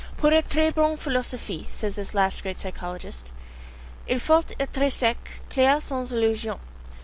"Pour etre bon philosophe," says this last great psychologist, "il faut etre sec, clair, sans illusion.